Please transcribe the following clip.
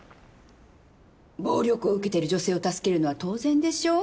暴力を受けてる女性を助けるのは当然でしょ？